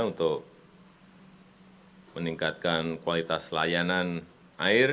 untuk meningkatkan kualitas layanan air